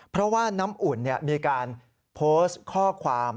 เพราะว่าน้ำอุ่นมีการโพสต์ข้อความ